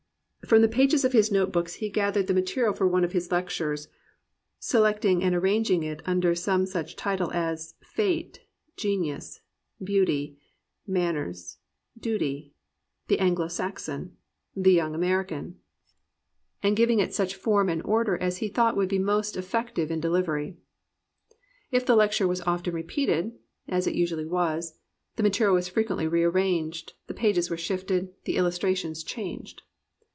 From the pages of his note books he gathered the material for one of his lectures, selecting and arrang ing it under some such title as Fate, Genius, Beauty, Manners, Duty, The Anglo Saxon, The Young 349 COMPANIONABLE BOOKS American, and giving it such form and order as he thought would be most effective in dehvery. If the lecture was often repeated, (as it usually was,) the material was frequently rearranged, the pages were shifted, the illustrations changed.